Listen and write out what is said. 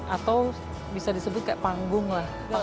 atau bisa disebut kayak panggung lah